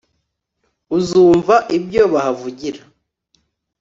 uzumva ibyo bahavugira